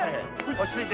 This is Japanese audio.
落ち着いて。